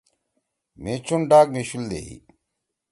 مھی چُن ڈاک می شُول دیئی۔